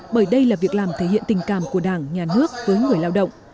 bởi đây là việc làm thể hiện tình cảm của đảng nhà nước với người lao động